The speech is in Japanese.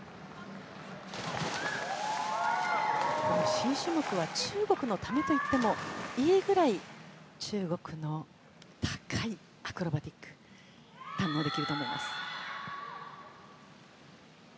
新種目は中国のためと言ってもいいぐらい中国の高いアクロバティック堪能できると思います。